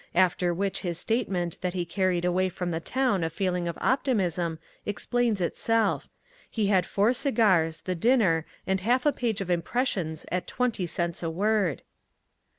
After which his statement that he carried away from the town a feeling of optimism explains itself: he had four cigars, the dinner, and half a page of impressions at twenty cents a word.